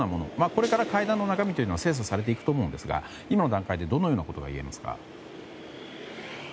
これから会談の中身は精査されていくと思うんですが今の段階ではどのようなことが言えますか？